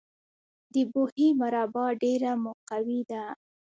د بهي مربا ډیره مقوي ده.